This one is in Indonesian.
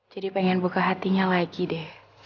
jadi pengen buka hatinya lagi di